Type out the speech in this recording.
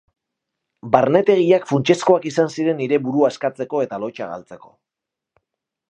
Barnetegiak funtsezkoak izan ziren nire burua askatzeko eta lotsa galtzeko.